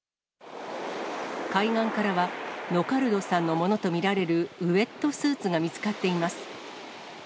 海岸からはノカルドさんのものと見られるウエットスーツが見つかっています。